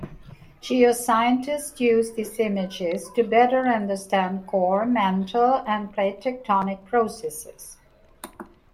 Geoscientists use these images to better understand core, mantle, and plate tectonic processes.